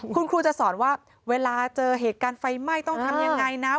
คุณครูจะสอนว่าเวลาเจอเหตุการณ์ไฟไหม้ต้องทำยังไงนะ